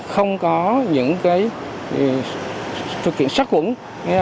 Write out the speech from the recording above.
không có những cái thực hiện sắc khủng